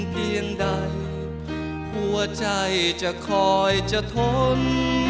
เพียงใดหัวใจจะคอยจะทน